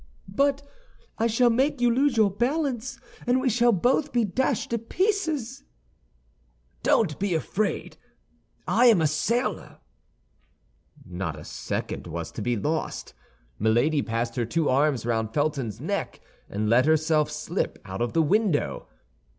"But I shall make you lose your balance, and we shall both be dashed to pieces." "Don't be afraid. I am a sailor." Not a second was to be lost. Milady passed her two arms round Felton's neck, and let herself slip out of the window.